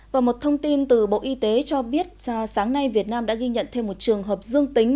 và một thông tin từ bộ y tế cho biết sáng nay việt nam đã ghi nhận thêm một trường hợp dương tính